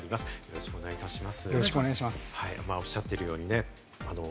よろしくお願いします。